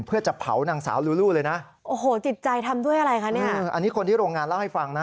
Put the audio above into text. เพื่อจะเผานางสาวลูลูเลยนะโอ้โหจิตใจทำด้วยอะไรคะเนี่ยอันนี้คนที่โรงงานเล่าให้ฟังนะ